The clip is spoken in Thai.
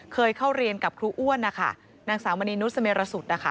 เคยเข้าเรียนกับครูอ้วนนะคะนางสาวมณีนุษยเมรสุทธิ์นะคะ